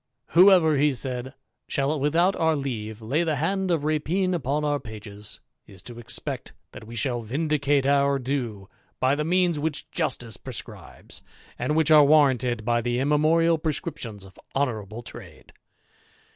' Whoever,' he said, ' shall, without our leave, lay the hand of lapine upon our pages, is to expect that we shall vindicate our due by 276 THE IDLER. the means which justice prescribes, and which are warranted by the immemorial prescriptions of honourable trade.'"